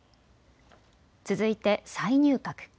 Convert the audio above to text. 続いて再入閣。